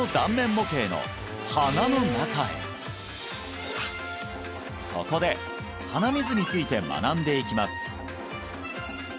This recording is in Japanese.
模型の鼻の中へそこで鼻水について学んでいきます